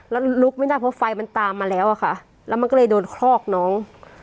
แล้วลุกไม่ได้เพราะไฟมันตามมาแล้วอะค่ะแล้วมันก็เลยโดนคลอกน้อง